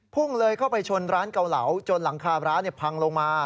พุ่งเลยเข้าไปชนร้านเกาเหลาจนหลังคาร้านพังลงมา